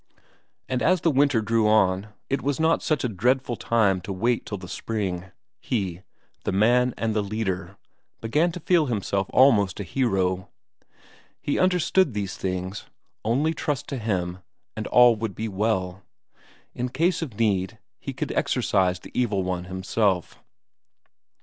And as the winter drew on, and it was not such a dreadful time to wait till the spring, he, the Man and the Leader, began to feel himself almost a hero: he understood these things; only trust to him and all would be well. In case of need, he could exorcise the Evil One himself!